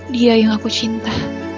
dia yang aku cinta